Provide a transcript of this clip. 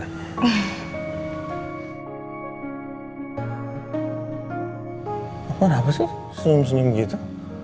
apa apa sih senyum senyum gitu